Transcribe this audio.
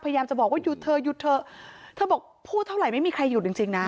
พยายามจะบอกว่าหยุดเถอะหยุดเถอะเธอบอกพูดเท่าไหร่ไม่มีใครหยุดจริงจริงนะ